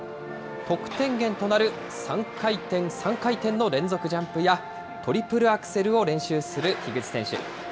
得点源となる３回転３回転の連続ジャンプや、トリプルアクセルを練習する樋口選手。